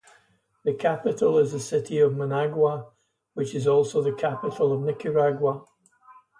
The capital is the city of Managua, which is also the capital of Nicaragua.